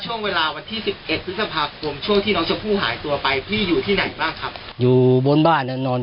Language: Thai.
ช่วงที่น้องชมพูดหายตัวไปพี่อยู่ที่ไหนบ้างครับ